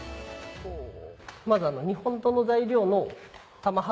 まず日本刀の材料の玉鋼。